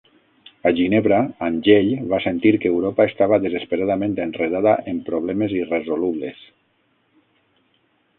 A Ginebra, Angell va sentir que Europa estava "desesperadament enredada en problemes irresolubles".